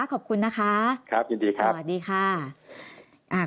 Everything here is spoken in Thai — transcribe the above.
ขอบคุณนะครับสวัสดีีครับ